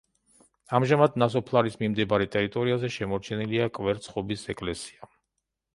ამჟამად ნასოფლარის მიმდებარე ტერიტორიაზე შემორჩენილია კვერცხობის ეკლესია.